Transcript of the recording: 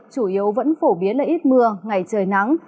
chủ yếu vẫn phổ biến là ít mưa ngày trời nắng